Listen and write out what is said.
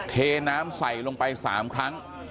เทน้ำใส่ลงไป๓ครั้ง